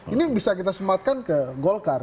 ini yang bisa kita sematkan ke golkar